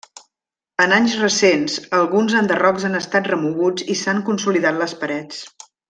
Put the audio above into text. En anys recents alguns enderrocs han estat remoguts i s'han consolidat les parets.